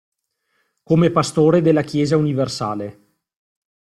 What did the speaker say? Come Pastore della Chiesa universale.